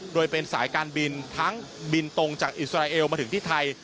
โดยเป็นสายการบินทั้งบินตรงจากอิสราเอลมาถึงที่ไทย